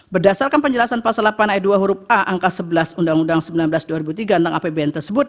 berdasarkan penjelasan pasal delapan aya dua huruf a angka sebelas undang undang sembilan belas dua ribu tiga tentang apbn tersebut